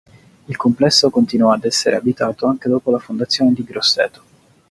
Il complesso continuò ad essere abitato anche dopo la fondazione di Grosseto.